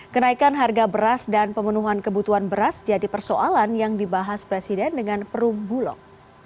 kenaikan harga beras dan pemenuhan kebutuhan beras jadi persoalan yang dibahas presiden dengan perumbulok